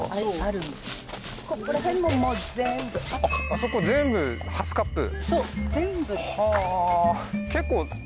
あそこ全部ハスカップ？